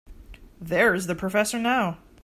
There's the professor now.